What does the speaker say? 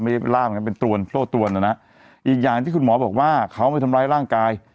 ล่ามนะเป็นตวนโต้ตรวนนะนะอีกอย่างที่คุณหมอบอกว่าเขาไม่ทำร้ายร่างกาย